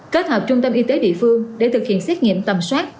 kết hợp trung tâm y tế địa phương để thực hiện xét nghiệm tầm soát